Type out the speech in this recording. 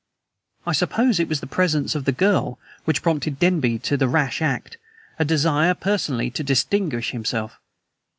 I suppose it was the presence of the girl which prompted Denby to the rash act, a desire personally to distinguish himself.